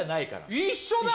一緒だよ。